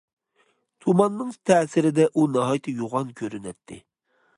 تۇماننىڭ تەسىرىدە ئۇ ناھايىتى يوغان كۆرۈنەتتى.